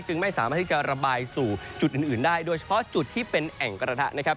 ไม่สามารถที่จะระบายสู่จุดอื่นได้โดยเฉพาะจุดที่เป็นแอ่งกระทะนะครับ